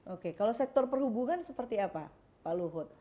oke kalau sektor perhubungan seperti apa pak luhut